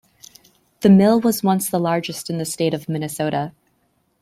The mill was once the largest in the state of Minnesota.